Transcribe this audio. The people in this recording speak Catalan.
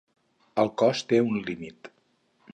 El cos té un límit.